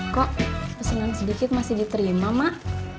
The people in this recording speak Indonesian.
kok pesanan sedikit masih diterima mak